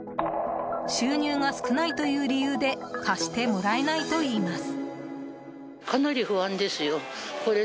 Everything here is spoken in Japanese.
収入が少ないという理由で貸してもらえないといいます。